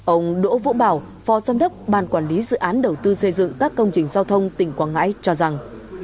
ông đỗ vũ bảo phó giám đốc ban quản lý dự án đầu tư xây dựng các công trình giao thông tỉnh quảng ngãi cho rằng